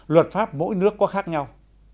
luật pháp mỗi nước có khác nhau